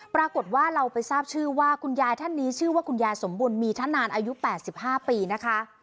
ปรากฏว่าเราไปทราบชื่อว่าคุณยายท่านนี้ชื่อว่าคุณยายสมบุญมีทะนานอายุ๘๕ปีนะคะ